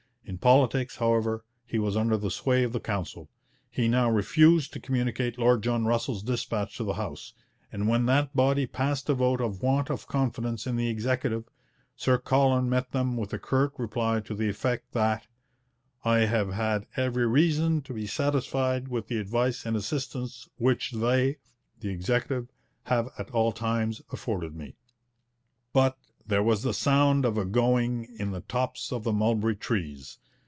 In politics, however, he was under the sway of the Council. He now refused to communicate Lord John Russell's dispatch to the House, and when that body passed a vote of want of confidence in the Executive, Sir Colin met them with a curt reply to the effect that 'I have had every reason to be satisfied with the advice and assistance which they [the Executive] have at all times afforded me.' But 'there was the sound of a going in the tops of the mulberry trees.'